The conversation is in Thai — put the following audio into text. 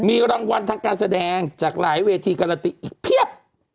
มีรางวัลทางการแสดงจากหลายเวทีการันตีอีกเพียบ